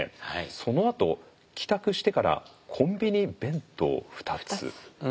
そのあと帰宅してからコンビニ弁当２つ。